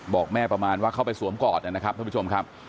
บอกแม่ประมาณว่าเข้าไปสวมกอดนะครับท่านผู้ชมครับ